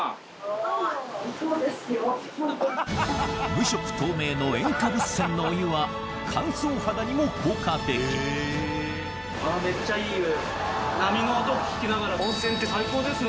無色透明の塩化物泉のお湯は乾燥肌にも効果的あめっちゃいい湯。